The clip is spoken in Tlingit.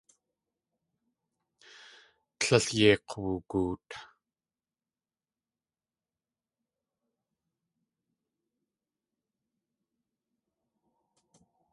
Tlél yeik̲ wugoot.